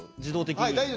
自動的に。